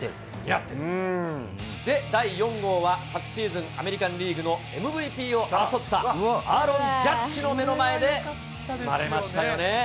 で、第４号は、昨シーズン、アメリカンリーグのＭＶＰを争ったアーロン・ジャッジの目の前で生まれましたよね。